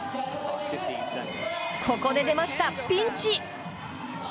ここで出ました、ピンチ！